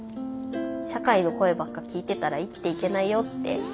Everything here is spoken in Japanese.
社会の声ばっか聞いてたら生きていけないよって。